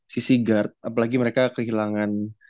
sisi guard apalagi mereka kehilangan